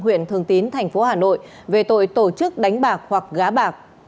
huyện thường tín tp hà nội về tội tổ chức đánh bạc hoặc gá bạc